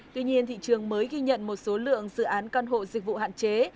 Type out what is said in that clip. tuy nhiên thị trường mới ghi nhận một số lượng dự án căn hộ dịch vụ hạn chế